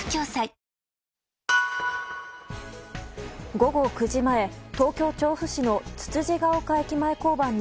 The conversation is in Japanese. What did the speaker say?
午後９時前、東京・調布市のつつじヶ丘駅前交番に